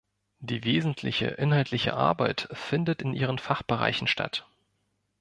Die wesentliche inhaltliche Arbeit findet in ihren Fachbereichen statt.